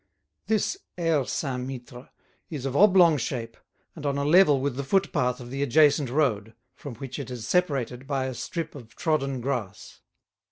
This Aire Saint Mittre is of oblong shape and on a level with the footpath of the adjacent road, from which it is separated by a strip of trodden grass.